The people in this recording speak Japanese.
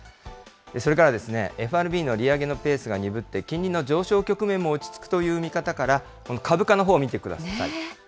それからですね、ＦＲＢの利上げのペースが鈍って、金利の上昇局面も落ち着くという見方から、株価のほう見てください。